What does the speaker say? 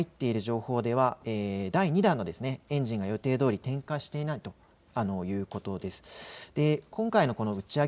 今入っている情報では第２段のエンジンが予定どおり、点火していないということです。